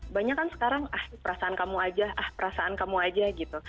banyak kan sekarang ah perasaan kamu aja ah perasaan kamu aja gitu